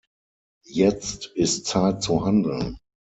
Jetzt ist Zeit zu handeln.